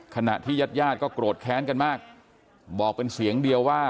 ขณะที่ญาติญาติก็โกรธแค้นกันมากบอกเป็นเสียงเดียวว่า